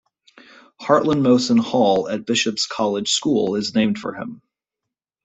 Hartland Molson Hall at Bishop's College School is named for him.